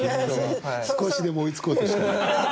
少しでも追いつこうとして。